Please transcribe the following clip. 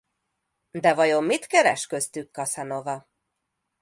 De vajon mit keres köztük Casanova?